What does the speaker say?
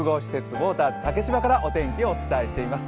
ウォーターズ竹芝からお伝えしています。